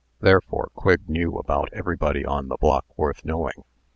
Therefore, Quigg knew about everybody on the block worth knowing.